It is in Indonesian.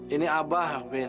ini abah kevin